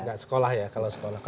nggak sekolah ya kalau sekolah